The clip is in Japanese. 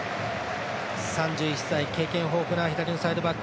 ３１歳、経験豊富な左のサイドバック